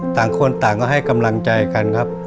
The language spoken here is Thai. ต่างคนต่างก็ให้กำลังใจกันครับ